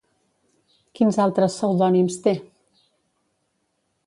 Quins altres pseudònims té?